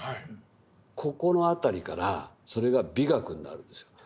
ここの辺りからそれが美学になるんですよ。